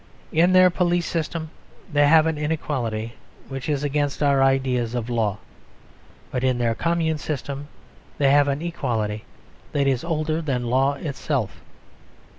In their police system they have an inequality which is against our ideas of law. But in their commune system they have an equality that is older than law itself.